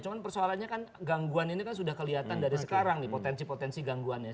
cuma persoalannya kan gangguan ini kan sudah kelihatan dari sekarang nih potensi potensi gangguannya